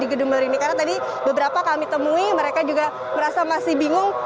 karena tadi beberapa kami temui mereka juga merasa masih bingung